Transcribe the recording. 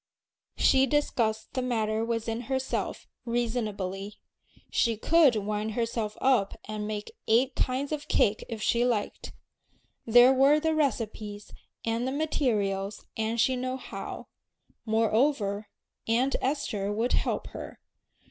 She discussed the matter within herself, reasonably. She could wind herself up and make eight kinds of cake if she liked. There were the recipes and the materials and she knew how; moreover, Aunt Esther would help her.